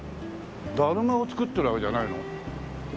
だるまを作ってるわけじゃないの？